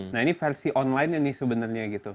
nah ini versi online sebenarnya